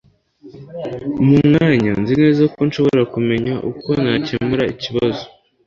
mpa umwanya. nzi neza ko nshobora kumenya uko nakemura ikibazo